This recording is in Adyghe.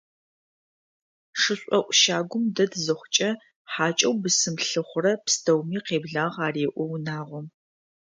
Шышӏоӏу щагум дэт зыхъукӏэ, хьакӏэу бысым лъыхъурэ пстэуми «къеблагъ» ареӏо унагъом.